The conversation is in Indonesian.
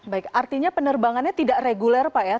baik artinya penerbangannya tidak reguler pak ya